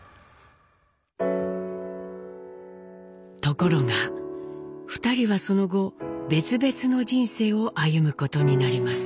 ところが２人はその後別々の人生を歩むことになります。